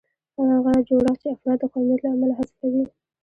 هغه جوړښت چې افراد د قومیت له امله حذفوي.